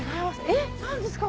えっ何ですか？